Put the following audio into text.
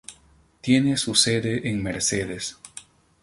Tiene su sede en Mercedes.